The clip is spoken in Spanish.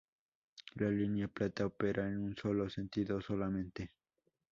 La línea Plata opera en un sólo sentido solamente.